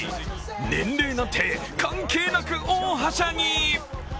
年齢なんて関係なく、大はしゃぎ。